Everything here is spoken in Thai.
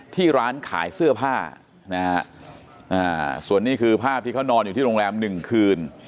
ที่ร้านขายเสื้อผ้านะฮะส่วนนี้คือภาพที่เขานอนอยู่ที่โรงแรมหนึ่งคืน